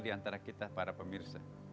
di antara kita para pemirsa